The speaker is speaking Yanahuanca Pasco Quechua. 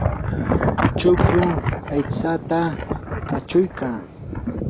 chukru aytsata kachuykaa.